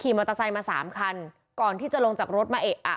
มอเตอร์ไซค์มาสามคันก่อนที่จะลงจากรถมาเอะอะ